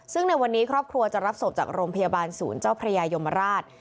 ซึ่งในวันนี้ครอบครัวจะรับศพจากโรงพยาบาลศูนย์เจ้าพระยายมราช